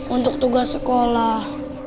untuk tugas sekolah